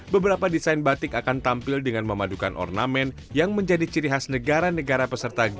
beberapa desain batik akan tampil dengan memadukan ornamen yang menjadi ciri khas negara negara peserta g dua puluh